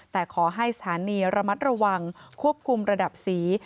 แต่ขอให้สถานีระมัดระวังควบคุมระดับสี